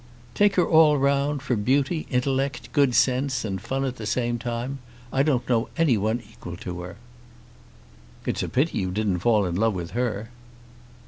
"Take her all round, for beauty, intellect, good sense, and fun at the same time, I don't know any one equal to her." "It's a pity you didn't fall in love with her."